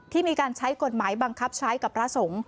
มีการใช้กฎหมายบังคับใช้กับพระสงฆ์